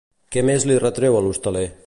Què més li retreu a l'hostaler?